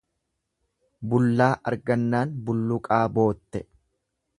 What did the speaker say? Bullaa argannaan bulluqaa bootte.